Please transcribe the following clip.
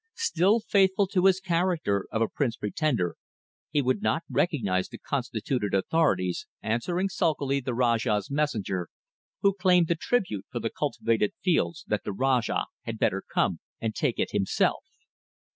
Still faithful to his character of a prince pretender, he would not recognize the constituted authorities, answering sulkily the Rajah's messenger, who claimed the tribute for the cultivated fields, that the Rajah had better come and take it himself.